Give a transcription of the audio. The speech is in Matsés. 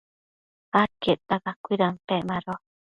adquiecta cacuidampec mado